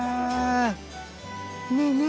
ねえねえ